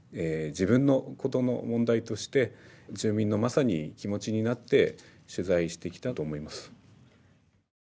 自分のことの問題として住民のまさに気持ちになって取材してきたと思います。